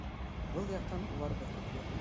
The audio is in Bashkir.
Был яҡтан улар бәхетле.